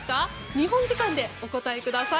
日本時間でお答えください。